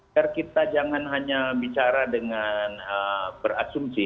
biar kita jangan hanya bicara dengan berasumsi